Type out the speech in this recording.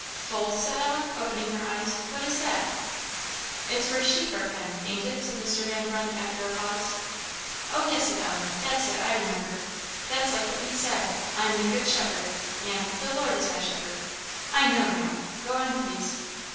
"Fold?" said Ellen, opening her eyes; "what is that?" "It's where sheep are penned, ain't it?" said Mr. Van Brunt, after a pause. "Oh, yes!" said Ellen; "that's it; I remember; that's like what he said 'I am the good shepherd,' and 'the Lord is my shepherd;' I know now. Go on, please."